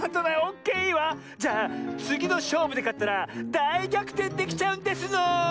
じゃあつぎのしょうぶでかったらだいぎゃくてんできちゃうんですの。